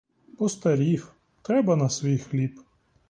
Постарів, треба на свій хліб.